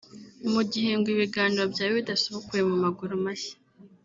Mu gihe ngo ibiganiro byaba bidasubukuwe mu maguru mashya